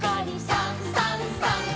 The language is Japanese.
「さんさんさん」